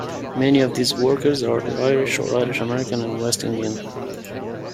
Many of these workers are Irish or Irish American and West Indian.